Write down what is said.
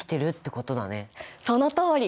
そのとおり！